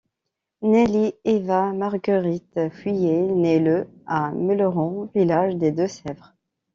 Nelly Éva Marguerite Fouillet naît le à Melleran, village des Deux-Sèvres.